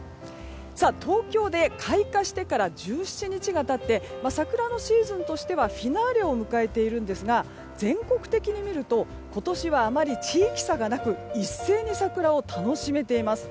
東京で開花してから１７日が経って桜のシーズンとしてはフィナーレを迎えているんですが全国的に見ると今年はあまり地域差がなく一斉に桜を楽しめています。